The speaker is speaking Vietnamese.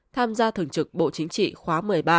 tham gia thường trực bộ chính trị khóa một mươi ba